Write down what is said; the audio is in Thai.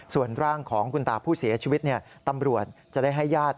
ส่วนร่างของคุณตาผู้เสียชีวิตตำรวจจะได้ให้ญาติ